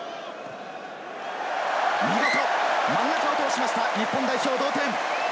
見事、真ん中を通しました日本代表、同点。